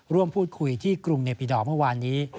ร่วมพูดคุยที่กรุงเนปิดอร์เมื่อวานนี้